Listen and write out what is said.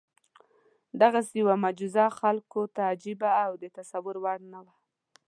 دغسې یوه معجزه خلکو ته عجیبه او د تصور وړ نه وه.